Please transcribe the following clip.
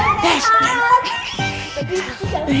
pak bos uya sehat